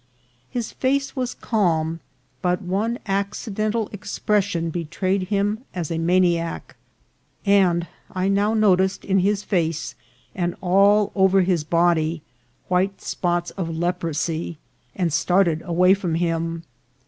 His face was calm, but one accidental expression betrayed him as a ma niac ; and I now noticed in his face, and all over his body, white spots of leprosy, and started away from him.